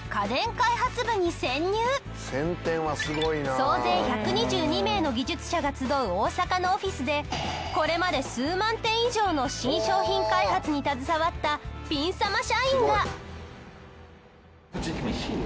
総勢１２２名の技術者が集う大阪のオフィスでこれまで数万点以上の新商品開発に携わったピン様社員が。